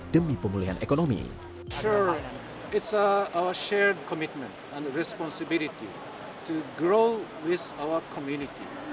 dan menanggulangi pandemi